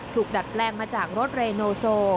ดัดแปลงมาจากรถเรโนโซ